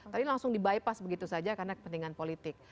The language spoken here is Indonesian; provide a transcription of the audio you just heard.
tadi langsung di bypass begitu saja karena kepentingan politik